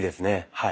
はい。